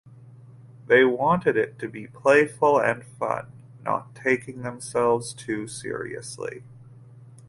They wanted it to be "playful and fun" and not taking themselves too seriously.